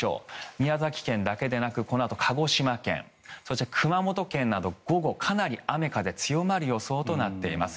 宮崎県だけでなくこのあと、鹿児島県そして、熊本県など午後、かなり雨風強まる予想となっています。